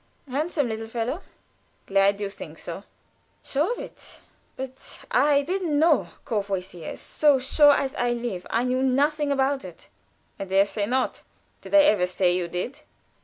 "Handsome little fellow!" "Glad you think so." "Sure of it. But I didn't know, Courvoisier so sure as I live, I knew nothing about it!" "I dare say not. Did I ever say you did?"